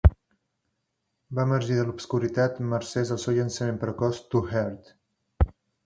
Va emergir de l'obscuritat mercès al seu llançament precoç "To Heart".